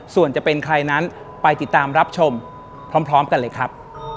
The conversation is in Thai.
ส่วนจะเป็นใครนั้นไปติดตามรับชมพร้อมกันเลยครับ